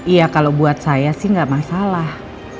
iya kalau buat saya sih nggak masalah